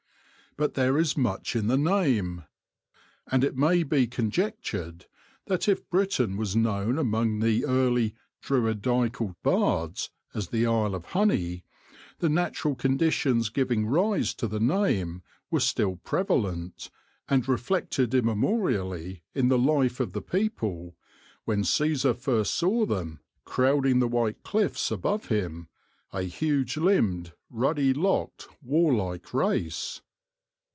But there is much in the name. And it may be conjectured that if Britain was known among the early Druidical bards as the Isle of Honey the natural conditions giving rise to the name were still prevalent, and reflected immemorially in the life of the people, when Caesar first saw them crowding the white cliffs above him, a huge limbed, ruddy locked, war like race.